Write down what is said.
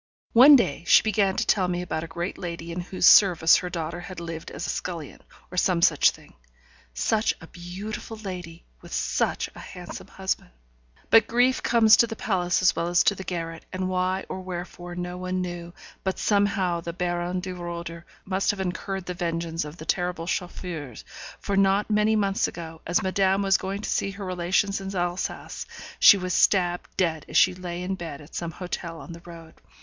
One day she began to tell me about a great lady in whose service her daughter had lived as scullion, or some such thing. Such a beautiful lady! with such a handsome husband. But grief comes to the palace as well as to the garret, and why or wherefore no one knew, but somehow the Baron de Roeder must have incurred the vengeance of the terrible Chauffeurs; for not many months ago, as madame was going to see her relations in Alsace, she was stabbed dead as she lay in bed at some hotel on the road.